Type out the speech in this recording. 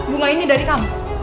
bunga ini dari kamu